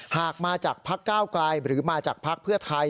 หากมาจากพักก้าวไกลหรือมาจากภักดิ์เพื่อไทย